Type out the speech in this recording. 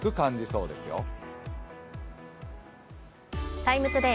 「ＴＩＭＥ，ＴＯＤＡＹ」